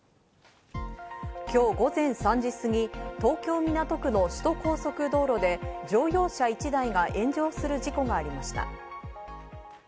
今日午前３時過ぎ、東京・港区の首都高速道路で乗用車１台が炎上する事故がありました。